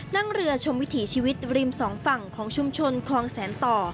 นั่งเรือชมวิถีชีวิตริมสองฝั่งของชุมชนคลองแสนต่อ